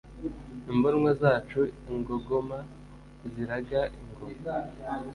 imbonwa zacu i ngogoma, ziraga ingoma.